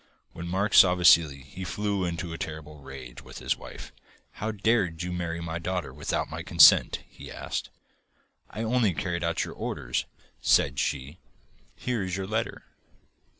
When Mark saw Vassili he flew into a terrible rage with his wife. 'How dared you marry my daughter without my consent?' he asked. 'I only carried out your orders,' said she. 'Here is your letter.